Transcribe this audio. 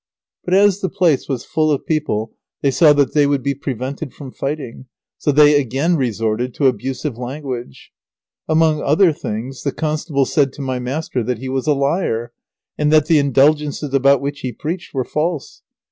But as the place was full of people they saw that they would be prevented from fighting, so they again resorted to abusive language. Among other things the constable said to my master that he was a liar, and that the Indulgences about which he preached were false.